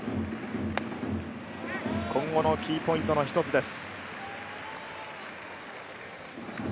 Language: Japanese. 今後のキーポイントの一つです。